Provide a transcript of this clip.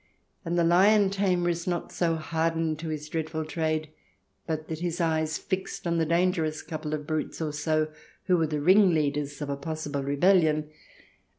And the lion tamer is not so hardened to his dreadful trade but that his eyes, fixed on the dangerous couple of brutes or so who are the ring leaders of a possible rebellion, are I70 THE DESIRABLE ALIEN [ch.